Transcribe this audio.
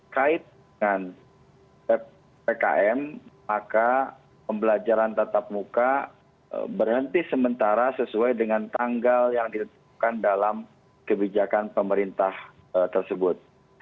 kait dengan ppkm maka pembelajaran tatap muka berhenti sementara sesuai dengan tanggal yang ditetapkan dalam kebijakan pemerintah tersebut